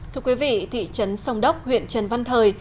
thưa quý vị thị trấn sông đốc huyện trần văn thời